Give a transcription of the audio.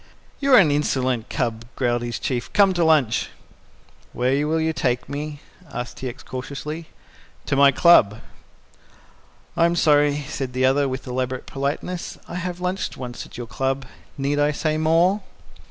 "You are an insolent cub," growled his Chief. "Come to lunch." "Where will you take me?" asked T. X. cautiously. "To my club." "I'm sorry," said the other, with elaborate politeness, "I have lunched once at your club. Need I say more?"